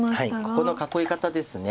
ここの囲い方です。